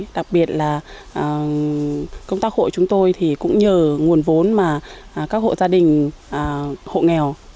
đặc biệt là công tác hội chúng tôi thì cũng nhờ nguồn vốn mà các hộ gia đình hộ nghèo